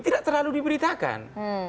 tidak terlalu diberitakan